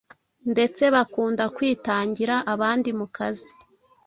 ndetse bakunda kwitangira abandi mu kazi.